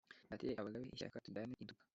Ndatire Abagabe ishyaka tujyanye i Nduga